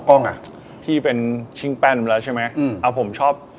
ตรงที่ดินเช็ค